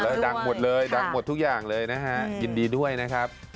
แล้วดังหมดเลยดังหมดทุกอย่างเลยนะฮะยินดีด้วยนะครับ